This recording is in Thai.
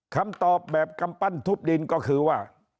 คำตอบแบบกำปั้นทุบดินก็คือว่า